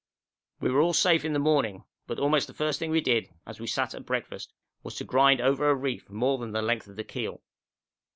We were all safe in the morning, but almost the first thing we did, as we sat at breakfast, was to grind over a reef, more than the length of the keel.